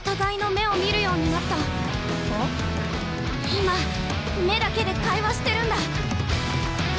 今目だけで会話してるんだ。